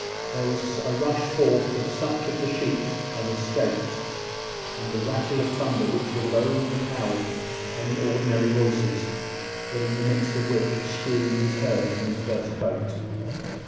There was a rush forth of such of the sheep as escaped, and a rattle of thunder which would have overpowered any ordinary voices, but in the midst of which a scream was heard from the first boat.